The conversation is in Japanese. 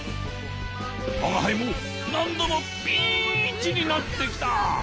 わがはいもなんどもピンチになってきた。